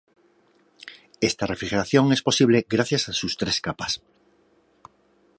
Esta refrigeración es posible gracias a sus tres capas.